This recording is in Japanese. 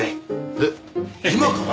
えっ今から？